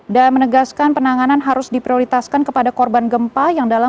dan menegaskan penanganan harus diprioritaskan kepada korban gempa